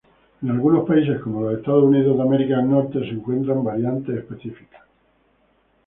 En algunos países como Estados Unidos se encuentran variantes específicas.